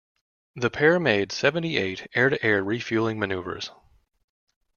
The pair made seventy-eight air-to-air refueling maneuvers.